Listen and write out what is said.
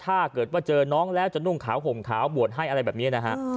ถ้าเกิดว่าเจอน้องแล้วจะนุ่งขาวห่มขาวบวชให้อะไรแบบนี้นะฮะ